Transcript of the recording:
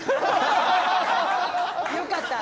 よかった。